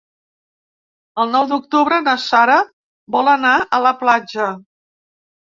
El nou d'octubre na Sara vol anar a la platja.